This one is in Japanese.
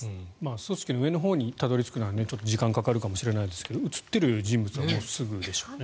組織の上のほうにたどり着くのは時間がかかるかもしれませんが映っている人物はすぐでしょうね。